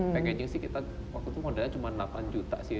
packaging sih kita waktu itu modalnya cuma delapan juta sih